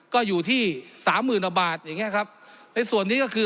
ก็อยู่ที่สามหมื่นกว่าบาทอย่างเงี้ยครับในส่วนนี้ก็คือ